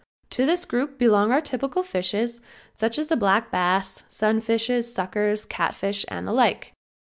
To this group belong our typical fishes, such as black bass, sun fishes, suckers, cat fishes and the like.